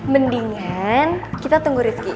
mendingan kita tunggu rifki